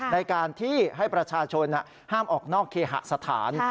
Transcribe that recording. ในการที่ให้ประชาชนห้ามออกนอกเคหสถาน